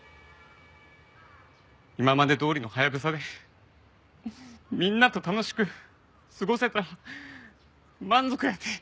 今までどおりのハヤブサでみんなと楽しく過ごせたら満足やて。